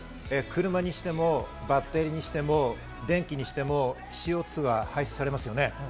車にしてもバッテリーにしても、電気にしても、ＣＯ２は排出されますよね。